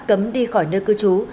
cấm đi khỏi nơi cư trú